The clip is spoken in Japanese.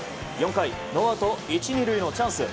４回、ノーアウト１、２塁のチャンス。